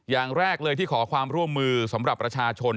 อย่างแรกเลยที่ขอความร่วมมือสำหรับประชาชน